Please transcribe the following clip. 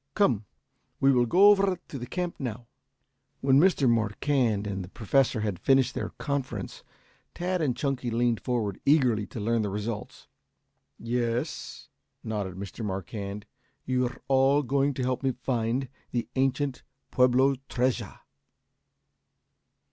Come, we will go over to the camp now." When Mr. Marquand and the Professor had finished their conference, Tad and Chunky leaned forward eagerly to learn the result. "Yes," nodded Mr. Marquand; "you're all going to help me find the ancient Pueblo treasure."